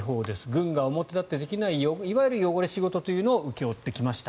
軍が表立ってできないいわゆる汚れ仕事というのを請け負ってきました。